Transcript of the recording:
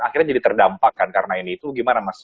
akhirnya jadi terdampak kan karena ini itu gimana mas